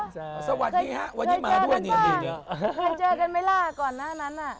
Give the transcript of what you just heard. อ๋อจริงหรอสวัสดีฮะวันนี้มาด้วยในวีนดีหลายเจอกันไหมล่ะก่อนหน้านั้น